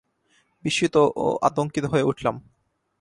বিস্মিত ও আতঙ্কিত হয়ে উঠলাম।